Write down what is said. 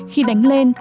khi đánh lên